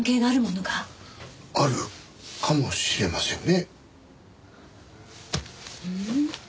あるかもしれませんね。